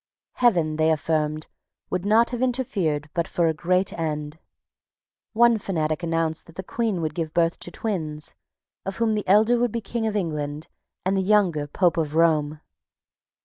Heaven, they affirmed, would not have interfered but for a great end. One fanatic announced that the Queen would give birth to twins, of whom the elder would be King of England, and the younger Pope of Rome.